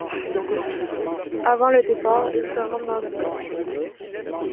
Avant le départ, ils se rendent dans un bar.